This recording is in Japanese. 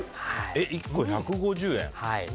１個１５０円。